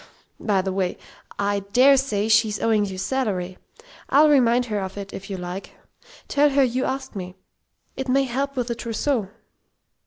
By the by, I dare say she's owing you salary. I'll remind her of it if you like tell her you asked me. It may help with the trousseau."